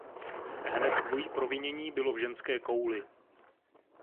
Hned dvojí provinění bylo v ženské kouli.